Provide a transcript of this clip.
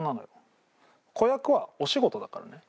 子役はお仕事だからね。